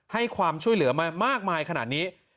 ให้ความช่วยเหลือมามากมายขนาดนี้